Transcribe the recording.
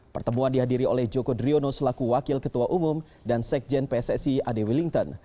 pertemuan dihadiri oleh joko driono selaku wakil ketua umum dan sekjen pssi ade willington